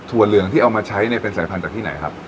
เหลืองที่เอามาใช้เนี่ยเป็นสายพันธุ์จากที่ไหนครับ